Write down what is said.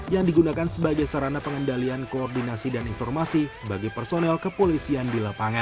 yang digunakan sebagai sarana pengendalian koordinasi dan informasi bagi personel kepolisian di lapangan